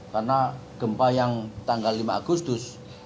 karena gempa yang tanggal lima agustus